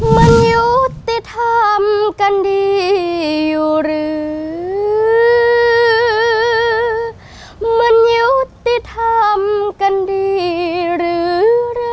มันยุติธรรมกันดีหรือ